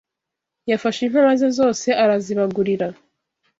Yafashe inka maze zose arazibagurira